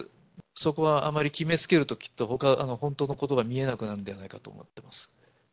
そこはあまり決めつけると、きっとほかの、本当のことが見えなくなるんじゃないかと思ってます。